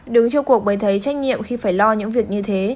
đứng trong cuộc mới thấy trách nhiệm khi phải lo những việc như thế